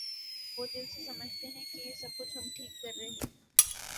وہ دل سے سمجھتے ہیں کہ یہ سب کچھ ہم ٹھیک کر رہے ہیں۔